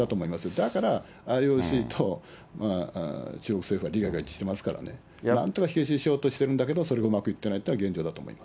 だからＩＯＣと中国政府は利害が一致してますからね、なんとか火消ししようとしてるんだけど、それがうまくいってないというのが現状だと思います。